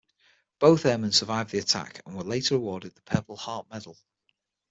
Both airmen survived the attack and were later awarded the Purple Heart medal.